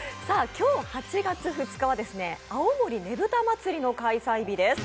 今日８月２日は青森ねぶた祭の開催日です。